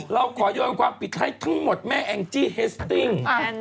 แล้วขอย่อยว่าปิดท่ายทั้งหมดแม่แองจี้เฮสติง